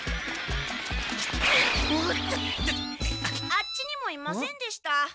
あっちにもいませんでした。